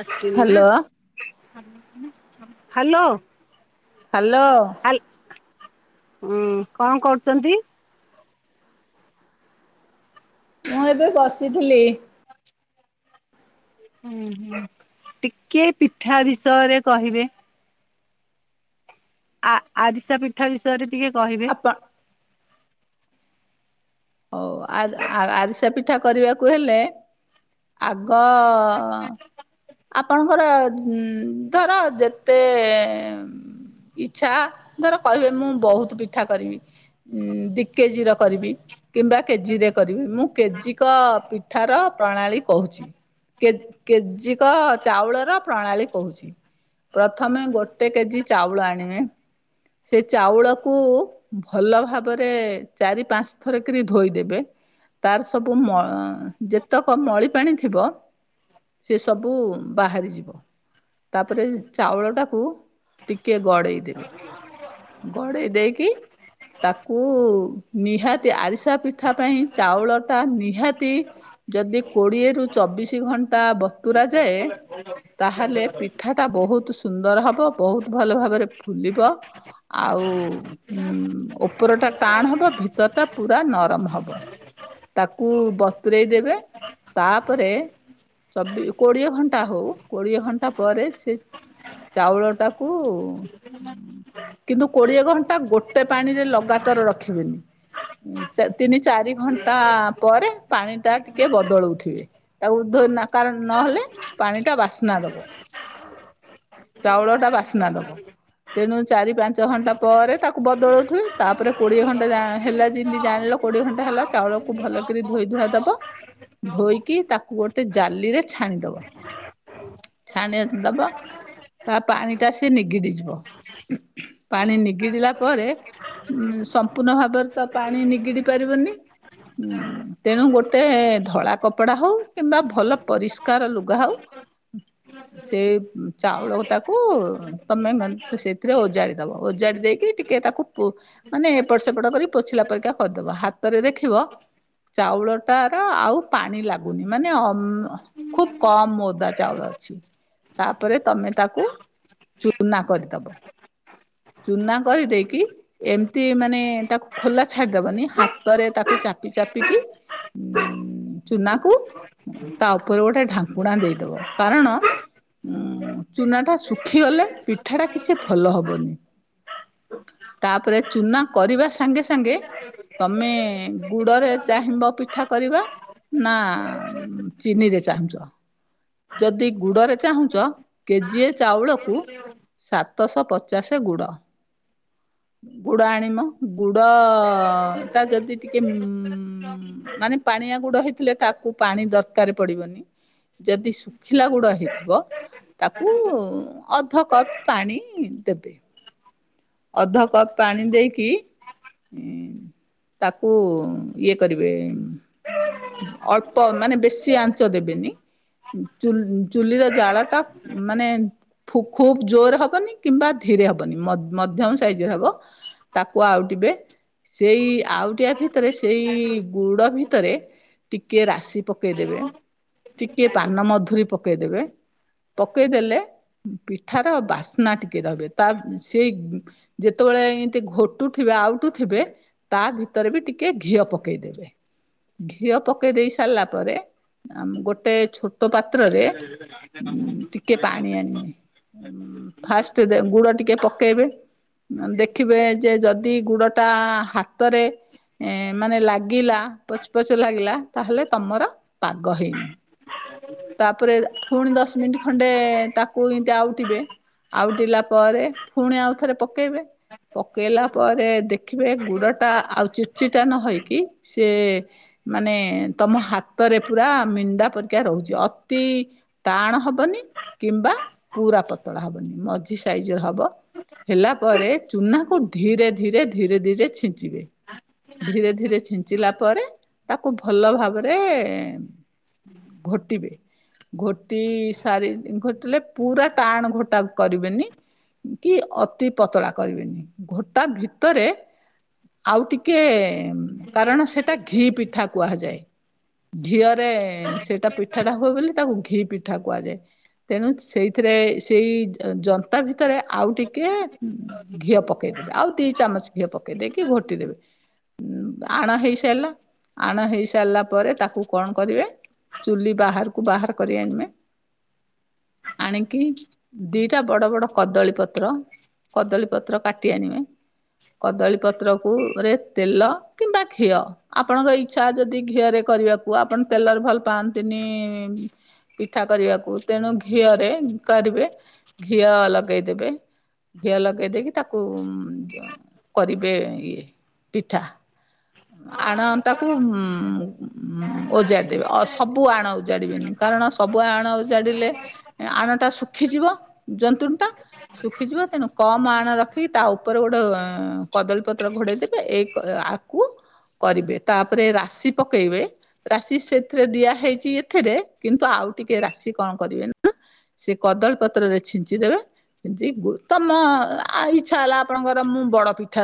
ଆସିନି ନା hello hello. Hello. ଆଲ ଉଁ କଣ କରୁଛନ୍ତି? ମୁଁ ଏବେ ବସିଥିଲି। ହ ହୁଁ ହୁଁ ଟିକେ ପିଠା ବିଷୟରେ କହିବେ। ଆ ଆରିସା ପିଠା ବିଷୟରେ ଟିକେ କହିବେ। ଆପ ହଉ ଆ ଆରିସା ପିଠା କରିବାକୁ ହେଲେ ଆଗ ଆପଣଙ୍କର ଧର ଯେତେ ଇଛା ଧର କହିବି ମୁଁ ବହୁତ ପିଠା କରିବି। ଉଁ ଦି କେଜି ର କରିବି କିମ୍ବା କେଜିରେ କରିବି ମୁଁ କେଜି କ ପିଠାର ପ୍ରଣାଳୀ କହୁଛି। କେ କେଜି ଏକ ଚାଉଳର ପ୍ରଣାଳୀ କହୁଛି। ପ୍ରଥମେ ଗୋଟେ କେଜି ଚାଉଳ ଆଣିବେ। ସେ ଚାଉଳକୁ ଭଲ ଭାବରେ ଚାରି ପାଞ୍ଚ ଥର କରି ଧୋଇଦେବେ। ତାର ସବୁ ମ ଯେତେକ ମଳି ପାଣି ଥିବ। ସେ ସବୁ ବାହାରି ଯିବ। ତାପରେ ଚାଉଳ ଟାକୁ ଟିକିଏ ଗଡ଼େଇ ଦେବେ। ଗଡେଇ ଦେଇକି ତାକୁ ନିହାତି ଆରିସା ପିଠା ପାଇଁ ଚାଉଳଟା ନିହାତି। ଯଦି କୋଡିଏରୁୁ ଚବିଶି ଘଣ୍ଟା ବତୁରା ଯାଏ। ତାହେଲେ ପିଠା ତା ବହୁତ ସୁନ୍ଦର ହବ ବହୁତ ଭଲ ଭାବରେ ଫୁଲିବ। ଆଉ ଉ ଉପର ଟା ଟାଣ ହବ ଭିତର ଟା ପୁରା ନରମ ହବ। ତାକୁ ବତୁରଇ ଦେବେ ତାପରେ ଚବି କୋଡିଏ ଘଣ୍ଟା ହଉ କୋଡିଏ ଘଣ୍ଟା ପରେ। ସେ ଚାଉଳ ଟାକୁ କିନ୍ତୁ କୋଡିଏ ଘଣ୍ଟା ଗୋଟେ ପାଣି ରେ ଲଗାତାର ରଖିବେନି। ତିନି ଚାରି ଘଣ୍ଟା ପରେ ପାଣି ଟା ଟିକେ ବଦଳଉଥିବେ। ତାକୁ ଧୁ କାର ନହେଲେ ପାଣି ଟା ବାସ୍ନା ଦବ। ଚାଉଳ ଟା ବାସ୍ନା ଦବ ତେଣୁ ଚାରି ପାଞ୍ଚ ପାଞ୍ଚ ଘଣ୍ଟା ପରେ ତାକୁ ବଦଳଉଥିବେ ତାପରେ କୋଡ଼ିଏ ଯା ଘଣ୍ଟା ହେଲା ଯେମିତି ଜାଣିଲ କୋଡ଼ିଏ ଘଣ୍ଟା ହେଲା ଚାଉଳ କୁ ତାକୁ ଭଲ କରି ଧୋଇ ଧୁଆ ଦବ ଧୋଇକି ତାକୁ ଗୋଟେ ଜାଲିରେ ଛାଣିଦବ। ଛାଣିଆ ଦବ ତା ପାଣି ଟା ସେ ନିଗିଡି ଯିବ‌। ପାଣି ନିଗିଡ଼ିଲା ପରେ ଉ ସମ୍ପୂର୍ଣ୍ଣ ଭାବରେ ତ ପାଣି ନିଗିଡି ପାରିବନି। ହୁଁ ତେଣୁ ଗୋଟେ ଧଳା କପଡା ହଉ କିମ୍ବା ଭଲ ପରିଷ୍କାର ଲୁଗା ହଉ। ସେ ଚାଉଳ ଟାକୁ ତମେ ସେଥିରେ ଓଜାରି ଦବ ଓଜାଡି ଦେଇକି ଟିକେ ତାକୁ ପୁ ମାନେ ଏପଟ ସେପଟ କରି ପୋଛିଲା ପରିକା କରିଦବା ହାତରେ ଦେଖିବ ଚାଉଳଟାର ଆଉ ପାଣି ଲାଗୁନି ମାନେ ଅ ଖୁବ କମ୍ ଓଦା ଚାଉଳ ଅଛି। ତାପରେ ତମେ ତାକୁ ଚୁନା କରିଦବ। ଚୁନା କରିଦେଇକି ଏମିତି ମାନେ ତାକୁ ଖୋଲା ଛାଡିଦବନି ହାତରେ ତାକୁ ଚାପି ଚାପିକି ହଁ ଚୁନାକୁ ତା ଉପରେ ଗୋଟେ ଢାଙ୍କୁଣା ଦେଇଦବ କାରଣ ଉଁ ଚୁନା ଟା ଶୁଖିଗଲେ ପିଠା ଟା କିଛି ଭଲ ହବନି। ତାପରେ ଚୁନା କରିବା ସାଙ୍ଗେ ସାଙ୍ଗେ ତମେ ଗୁଡ଼ରେ ଚାହିଁବ ପିଠା କରିବା। ନା ଚିନିରେ ଚାହୁଁଛ ଯଦି ଗୁଡରେ ଚାହୁଁଛ କେଜିଏ ଚାଉଳକୁ ସାତଶ ପଚାଶ ସେ ଗୁଡ ଗୁଡ ଆଣିବ ଗୁଡ ଟା ଯଦି ଟିକେ କି ଉ ମାନେ ପାଣିଆ ଗୁଡ ହେଇଥିଲେ ତାକୁ ପାଣି ଦରକାର ପଡିବନି। ଯଦି ଶୁଖିଲା ଗୁଡା ହେଇଥିବ। ତାକୁ ଅଧକପ୍ ପାଣି ଦେବେ। ଅଧ କପ ପାଣି ଦେଇକି ଇଁ ଉଁ ତାକୁ ଇଏ କରିବେ ଏଁ ଅଳ୍ପ ମାନେ ବେଶି ଆଞ୍ଚ ଦେବେନି। ଚୁଲ ଚୁଲିର ଜାଳ ଟା ମାନେ ଫୁ ଖୁବ ଜୋର ହବନି କିମ୍ବା ଧୀରେ ହବନି ମ ମଧ୍ୟମ ସାଇଜ ର ହବ ତାକୁ ଆଉଟିବେ। ସେଇ ଆଉଟିଆ ଭିତରେ ସେଇ ଗୁଡ ଭିତରେ ଟିକେ ରାଶି ପକେଇଦେବେ। ଟିକିଏ ପାନ ମଧୁରୀ ପକେଇଦେବେ। ପକେଇଦେଲେ ପିଠାର ବାସ୍ନା ଟିକେ ରହିବେ। ତା ସେ ଯେତେବେଳେ ଏମିତି ଘଟୁ ଥିବେ ଆଉଠୁ ଥିବେ ତା ଭିତରେ ବି ଟିକେ ଘିଅ ପକେଇଦେବେ। ଘିଅ ପକେଇ ଦେଇ ସାରିଲା ପରେ ଅମ ଗୋଟେ ଛୋ ଟ ପାତ୍ରରେ ଉଁ ଟିକେ ପାଣି ଆଣିନେ ଉଁ ଫାଷ୍ଟ ଦେ ଗୁଡ ଟିକେ ପକେଇବେ ଦେଖିବେ ଯେ ଯଦି ଗୁଡ ଟା ହାତରେ ଏଁ ମାନେ ଲାଗିଲା ପଚ ପଚ ଲାଗିଲା ତାହେଲେ ତମର ପାଗ ହେଇନି। ତାପରେ ଫୁଣି ଦଶ ମିନିଟ୍ ଖଣ୍ଡେ ତାକୁ ଏମତି ଆଉଟିବେ ଆଉଟିଲା ପରେ ଫୁଣି ଆଉ ଥରେ ପକେଇବେ। ପକେଇଲା ପରେ ଦେଖିବେ ଗୁଡ଼ଟା ଆଉ ଚିଟଚିଟା ନ ହେଇକି ସିଏ ମାନେ ତମ ହାତରେ ପୁରା ମିଣ୍ଡା ପରିକା ରହୁଛି ଅତି ଟାଣ ହବନି କିମ୍ବା ପୁରା ପତଳା ହବନି ମଝି ଏଇ ଯୋଉ ହବ ହେଲା ପରେ ଚୁନା କୁ ଧୀରେ ଧୀରେ ଧୀରେ ଧୀରେ ଛିଞ୍ଚିବେ। ଧୀରେ ଧୀରେ ଛିଞ୍ଚିଲା ପରେ ତାକୁ ଭଲ ଭାବରେ ଉଁ ଘୋଟିବେ। ଘୋଟି ସାରି ଘୋଟିଲେ ପୁରା ଟାଣ ଘୋଟା କରିବେନି। କି ଅତି ପତଳା କରିବେନି ଘୋଟା ଭିତରେ ଆଉ ଟିକେ କାରଣ ସେଇଟା ଘି ପିଠା କୁହାଯାଏ। ଘିଅରେ ସେଇଟା ପି ପିଠାଟା ହୁଏ ବୋଲି ତାକୁ ଘି ପିଠା କୁହାଯାଏ। ତେଣୁ ସେଇଥିରେ ସେଇ ଜନ୍ତା ଭିତ ଭିତରେ ଆଉ ଟିକିଏ ଘିଅ ପକେଇଦେବେ, ଆଉ ଦି ଚାମଚ ଘିଅ ପକେଇ ଦେଇକି ଘୋଟି ଦେବେ। ଉଁ ଆଣ ହେଇ ସାରିଲା ଆଣ ହେଇ ସାରିଲା ପରେ ତାକୁ କଣ କରିବେ। ଚୁଲି ବାହାରକୁ ବାହାର କରି ଆଣିମେ। ଆଣିକି ଦିଟା ବଡ ବଡ କଦଳୀ ପତ୍ର କଦଳୀ ପତ୍ର କାଟି ଆଣିବେ। କଦଳୀପତ୍ର କୁ ରେ ତେଲ କିମ୍ବା ଘିଅ ଆପଣଙ୍କ ଇଚ୍ଛା ଯଦି ଘିଅରେ କରିବାକୁ ଆପଣ ତେଲର ଭଲ ପାଆନ୍ତିନି। ପିଠା କରିବାକୁ, ତେଣୁ ଘିଅରେ କରିବେ ଘିଅ ଲ ଲଗେଇଦେବେ ଘିଅ ଲଗେଇ ଦେଇକି ତାକୁ ଯ କରିବେ ଇଏ ପିଠା ଆଣ ଟାକୁ ଉଁ ହଁ ଓଜାଡ଼ିଦବେ ଅ ସବୁ ଆଣ ଉଜାଡିବେନି କାରଣ ସବୁ ଆଣ ଉଜାଡ଼ିଲେ ଆଣଟା ଶୁଖିଯିବ ଜନ୍ତୁଣି ଟା। ଶୁଖିଯିବ ତେଣୁ କମ ଆଣ ରଖିକି ତା ଉପରେ ଗୋଟେ କଦଳୀପତ୍ର ଘୋଡେଇଦେବେ ଏକ ଆ କରିବେ ତାପରେ ରାଶି ପକେଇବେ ରାଶି ସେଥିରେ ଦିଆ ହେଇଛି ଏଥିରେ କିନ୍ତୁ ଆଉ ଟିକେ ରାଶି କଣ କରିବେ ନା ସେ କଦଳୀ ପତ୍ରରେ ଛିଞ୍ଚିଦେବେ [inaudible] ତମ ଇଚ୍ଛା ହେଲା ଆପଣଙ୍କର ମୁଁ ବଡ଼ ପିଠା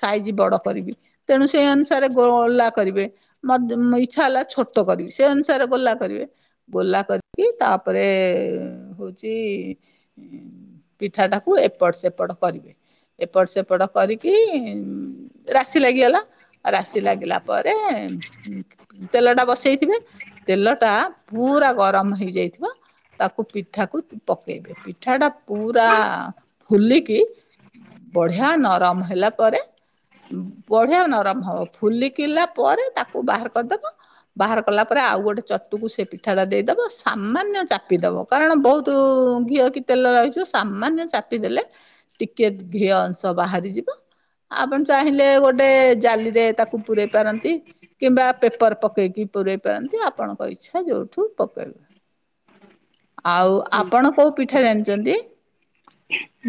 ସାଇଜ ବଡ଼ କରିବି ତେଣୁ ସେଇ ଅନୁସାରେ ଗୋଓଲା କରିବେ। ମଦେ ଇଚ୍ଛା ହେଲା ଛୋଟ କରିବି ସେ ଅନୁସାରେ ଗୋଲା କରିବେ। ଗୋଲା କରିକି ତାପରେ ହୋଉଛି ପିଠାଟାକୁ ଏପଟ ସେପଟ କରିବେ। ଏପଟ ସେପଟ କରିକି ରାଶି ଲାଗିଗଲା ରାଶି ଲାଗିଲା ପରେ ତେଲ ଟା ବସେଇଥିବେ ତେଲ ଟା ପୁରା ଗରମ ହେଇଯାଇଥିବ ତାକୁ ପିଠାକୁ ପକେଇବେ ପିଠା ଟା ପୁରା ଫୁଲିକି ବଢିଆ ନରମ ହେଲା ପରେ ବ ବଢିଆ ନରମ ହବ ଫୁଲିକିଲା ପରେ ତାକୁ ବାହାର କରିଦବ ବାହାର କଲା ପରେ ଆଉ ଗୋଟେ ଚଟୁକୁ ସେ ପିଠାଟା ଦେଇଦେବ ସାମାନ୍ୟ ଚାପିଦବ କାରଣ ବହୁତ ଘିଅ କି ତେଲ ରହିଥିବ ସେ ସାମାନ୍ୟ ଚାପି ଦେଲେ ଟିକେ ଘିଅ ଅଂଶ ବାହାରିଯିବ ଆପଣ ଚାହିଁଲେ ଗୋଟେ ଜାଲିରେ ତାକୁ ପୂରେଇ ପାରନ୍ତି। କିମ୍ବା ପେପର ପକେଇକି ପୁରଇ ପାରନ୍ତି ଆପଣଙ୍କ ଇଚ୍ଛା ଯୋଉଠୁ ପକେଇବେ। ଆଉ ଆପଣ କୋଉ ପିଠା ଜାଣିଛନ୍ତି?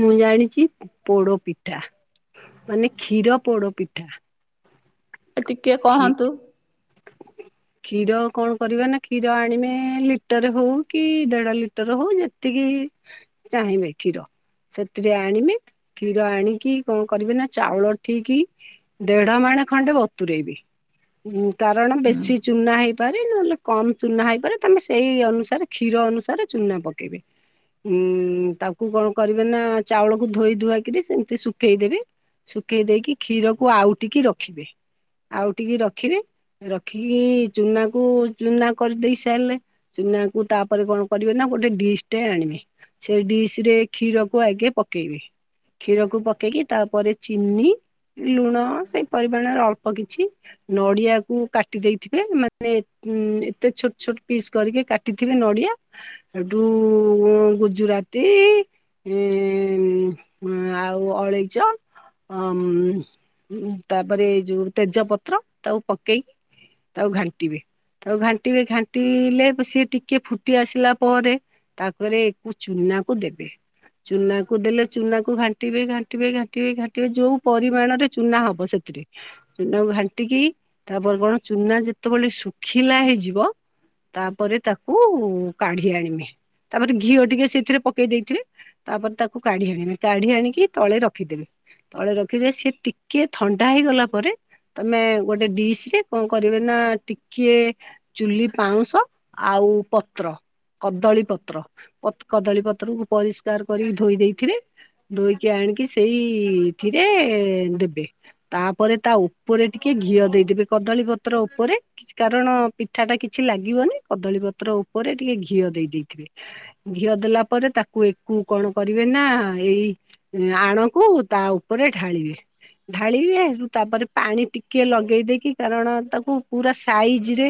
ମୁଁ ଜାଣିଛି ପୋଡ ପିଠା ମାନେ କ୍ଷୀର ପୋଡ ପିଠା। ଟିକେ ଖି କହନ୍ତୁ। କ୍ଷୀର କଣ କରିବା ନା କ୍ଷୀର ଆଣିବେ ଲିଟର ହଉ କି ଦେଢ ଲିଟର ହଉ ଯେତିକି ଚାହିଁବେ କ୍ଷୀର। ସେଥିରେ ଆଣିବି କ୍ଷୀର ଆଣିକି କଣ କରିବେ ନା ଚାଉଳ ଠିକି ଦେଢ ମାଣେ ଖଣ୍ଡେ ବତୁରେଇବି ଉଁ କାରଣ ବେଶୀ ନା ହେଇପାରେ ନହେଲେ କମ ଚୁନା ହେଇପାରେ ତମେ ସେଇ ଅନୁସାରେ କ୍ଷୀର ଅନୁସାରେ ଚୁନା ପକେଇବେ। ଉଁ ତାକୁ କଣ କରିବେ ନା ଚାଉଳକୁ ଧୋଇ ଧୁଆକିରି ସେମତି ଶୁଖେଇଦେବେ ଶୁଖେଇ ଦେଇକି କ୍ଷୀରକୁ ଆଉ ଟିକି ରଖିବେ ଆଉ ଟିକି ରଖିବେ ରଖି ଇ ଚୁନା କୁ ଚୁନା କରିଦେଇ ସାଇଲେ ଚୁନାକୁ ତାପରେ କଣ କରିବେ ନା ଗୋଟେ ଡିସ୍ ଟେ ଆଣିବେ ସେ ଡିସ ରେ କ୍ଷୀର କୁ ଆଗେ ପକେଇବେ। କ୍ଷୀରକୁ ପକେଇକି ତାପରେ ଚିନି ଲୁଣ ସେଇ ପରିମାଣରେ ଅଳ୍ପ କିଛି ନଡିଆକୁ କାଟି କାଟି ଦେଇଥିବେ ମାନେ ଉ ଏତେ ଛୋଟ ଛୋଟ ପିସ୍ କରିକି କାଟିଥିବେ ନଡିଆ ହେଡୁ ଗୁଜୁରାତି ଉଁ ଉଁ ଆଉ ଅଳେଇଚ ଅ ମ ତାପରେ ଏ ଯୋଉ ତେଜ ପତ୍ର ତାକୁ ପକେଇ ତାକୁ ଘାଣ୍ଟିବେ ତାକୁ ଘାଣ୍ଟିବେ ଘାଣ୍ଟିଲେ ସିଏ ଟିକେ ଫୁଟି ଆସିଲା ପରେ ତାପରେ କୁଚୁନା କୁ ଦେବେ। ଚୁନାକୁ ଦେଲେ ଚୁନାକୁ ଘାଣ୍ଟିବେ ଘାଣ୍ଟିବେ ଘାଣ୍ଟିବେ ଘାଣ୍ଟିବେ ଯୋଉ ପରିମାଣରେ ଚୁନା ହବ ସେଥିରେ ଚୁନାକୁ ଘାଣ୍ଟିକି ତା ପର୍ବଣ ଚୁନା ଯେତେବେଳେ ଶୁଖିଲା ହେଇଯିବ ତାପରେ ତାକୁ କାଢି ଆଣିବେ ତାପରେ ଘିଅ ଟିକେ ସେଇଥିରେ ପକେଇ ଦେଇଥିବେ ତାପରେ ତାକୁ କାଢି ଆଣିବେ କାଢି ଆଣିକି ତଳେ ରଖିଦେବି। ତଳେ ରଖିଦେବେ ସେ ଟିକେ ଥଣ୍ଡା ହେଇଗଲା ପରେ ତମେ ଗୋଟେ ଡିସ୍ ରେ କଣ କରିବେ ନାଁ ଟିକିଏ ଚୁଲି ପାଉଁଶ ଆଉ ପତ୍ର କଦଳୀ ପତ୍ର କଦଳୀ ପତ୍ରକୁ ପରିଷ୍କାର କରିକି ଧୋଇ ଦେଇଥିବେ। ଧୋଇକି ଆଣିକି ସେଇଥିରେ ଦେବେ। ତାପରେ ତା ଉପରେ ଟିକେ ଘିଅ ଦେଇଦେବେ କଦଳୀ ପତ୍ର ଉପରେ କାରଣ ପିଠା ଟା କିଛି ଲାଗିବନି କଦଳୀପତ୍ର ଉପରେ ଟିକେ ଘିଅ ଦେଇ ଦେଇଥିବେ। ଘିଅ ଦେଲା ପରେ ତାକୁ ଏକୁ କଣ କରିବେ ନାଁ ଏଇ ଆଣକୁ ତା ଉପରେ ଢାଳିବେ। ଢାଳି ବେ ତାପରେ ପାଣି ଟିକେ ଲଗେଇ ଦେଇକି କାରଣ ତାକୁ ପୁରା ସାଇଜି ରେ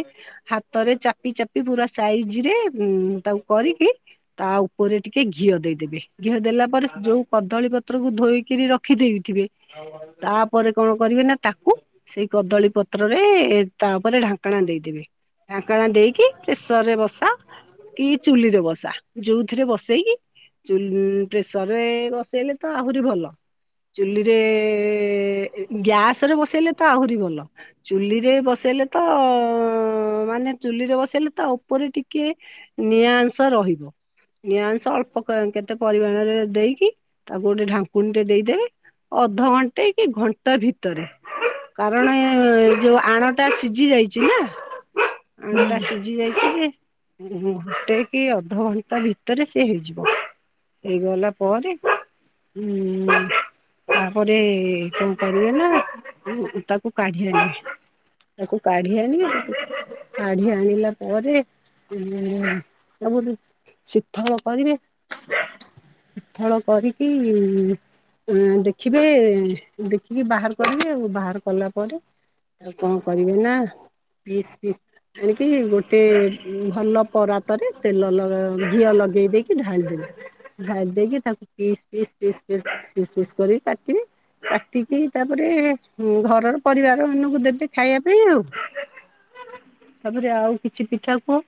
ହାତରେ ଚାପି ଚାପି ପୁରା ସାଇଜି ରେ ଉ ତାକୁ କରିକି ତା ଉପରେ ଟିକେ ଘିଅ ଦେଇଦେବେ ଘିଅ ଦେଲା ପରେ ଯୋଉ କଦଳୀ ପତ୍ରକୁ ଧୋଇକିରି ରଖ ରଖି ଦେଇଥିବେ ତାପରେ କଣ କରିବେ ନାଁ ତାକୁ ସେଇ କଦଳୀ ପ ପାତ୍ରରେ ତା ଉପରେ ଢାଙ୍କଣା ଦେଇଦେବି ଢାଙ୍କଣା ଦେଇକି ପ୍ରେସରରେ ବସା କି ଚୁଲି ରେ ବସା ଯୋଉଥିରେ ବସେଇକି ଚୁ ପ୍ରେସର ରେ ବସେଇଲେ ତ ଆହୁରି ଭଲ। ଚୁଲିରେ ଗ୍ୟାସ୍ ରେ ବସେଇଲେ ତ ଆହୁରି ଭଲ। ଚୁଲି ରେ ବସେଇଲେ ତ ମାନେ ଚୁଲିରେ ବସେଇଲେ ତା ଉପରେ ଟିକେ ନିଆଁଂଶ ରହିବ। ନିଆ ଅଂଶ ଅଳ୍ପ କେତେ ପରିମାଣରେ ଦେଇକି ତାକୁ ଗୋଟେ ଢାଙ୍କୁଣୀ ଟେ ଦେଇଦେବେ ଅଧଘଣ୍ଟେ କି ଘଣ୍ଟା ଭିତରେ କାରଣ ଏଁ ଯୋଉ ଆଣଟା ସିଝି ଯାଇଛି ନାଁ ହୁଁ ଆଣଟା ସିଝ୍ ଜି ଯାଇଛି ଯେ ଘଟେ କି ଅଧଘଣ୍ଟା ଭିତରେ ସିଏ ହେଇଯିବ। ହେଇଗଲା ପରେ ହୁଁ ତାପରେ କଣ କରିବେ ନା ତାକୁ କାଢି ଆଣିବେ। ତାକୁ କାଢି ଆଣିବେ କାଢି ଆଣିଲା ପରେ ତାକୁ ଟିକେ ଶିଥଳ କରିବେ। ଶିଥଳ କରିକି ଆ ଦେଖିବେ ଦେଖିକି ବାହାର କରିବେ ଆଉ ବାହାର କଲା ପରେ ଆଉ କଣ କରିବେ ନା ପିସ୍ ପି ଏଣିକିି ଗୋଟେ ଭଲ ପରାତରେ ତେଲ ଘିଅ ଲଗେଇ ଦେଇକି ଢାଳି ଦେଲେ। ଛାଡି ଦେଇକି ତାକୁ ପିିସ୍ ପିସ୍ ପିସ୍ ପି ପିସ୍ ପିସ୍ କରି କାଟିବି। କାଟିକି ତାପରେ ଘରର ପରିବାର ମନକୁ ଦେ ତେ ଖାଇବା ପାଇଁ ଆଉ। ତାପରେ ଆଉ କିଛି ପିଠା କୁ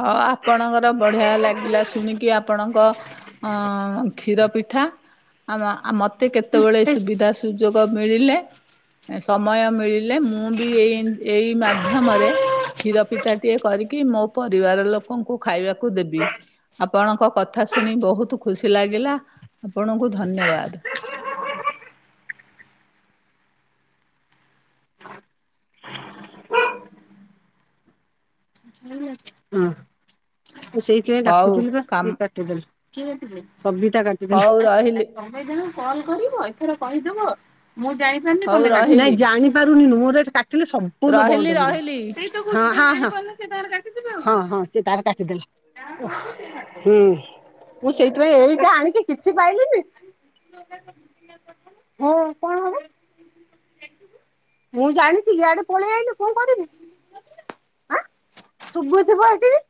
ହଁ ଆପଣଙ୍କର ବଢିଆ ଲାଗିଲା ଶୁଣିକି ଆପ୍ ଆପଣଙ୍କ କ୍ଷୀର ପିଠା ଆମ ଆମ କେତେବେଳେ ସୁବିଧା ସୁଯୋଗ ମିଳିଲେ ସମୟ ମିଳିଲେ ମୁଁ ବି ଏଇ ଏଇ ମାଧ୍ୟମରେ କ୍ଷୀର ପିଠା ଟିଏ କରିକି ମୋ ପରିବାର ଲୋକଙ୍କୁ ଖାଇବାକୁ ଦେବି। ଆପଣଙ୍କ କଥା ଶୁଣି ବହୁତ ଖୁସି ଲାଗିଲା ଆପଣଙ୍କୁ ଧନ୍ୟବାଦ। ହଁ ତ ସେଇଥିପାଇଁ ହଉ ଡାକୁଥିଲୁ ବା କାମ ସିଏ କାଟିଦେଲେ ସବିତା ତମେ ହଉ ରହିଲି ଯାହାକୁ କଲ କରିବ ଏଥର କହିଦବ ମୁଁ ଜାଣି ହଉ ନାଇଁ ରହିଲି। ଜାଣିପାରୁନି ନୁହଁ ମୁଁ କାଟିଲେ ସମ୍ପୂର୍ଣ୍ଣ ରହିଲି ରହିଲି। ବନ୍ଦ। ହଁ ହଁ ହଁ ହଁ ହଁ ସେ ତାର କାଟିଦେଲେ। ହୁଁ ମୁଁ ସେଇଥିପାଇଁ ଏଇଠୁ ଆଣିକି କିଛି ପାଇଲିନି। ହଁ କଣ ହେଲା? ମୁଁ ଜାଣିଛି ଇଆଡେ ପଳେଇ ଆଇଲେ କଣ କରିବି? ଆଁ ସୁବୁ ଥିବ ହେଟିକି।